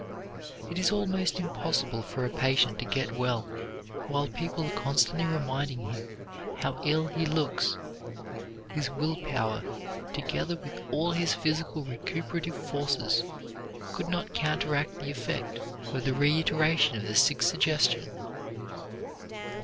It is almost impossible for a patient to get well while people are constantly reminding him how ill he looks. His will power together with all his physical recuperative forces could not counteract the effect of the reiteration of the sick suggestion.